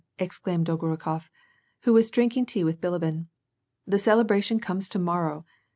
^^ exclaimed Dolgorukof, who was drinking tea with Bilibin. " The celebration comes to morrow